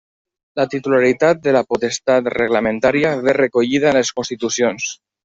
La titularitat de la potestat reglamentària ve recollida en les constitucions.